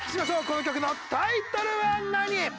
この曲のタイトルは何？